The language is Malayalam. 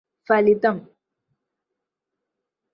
ഫലിതം